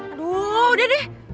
aduh udah deh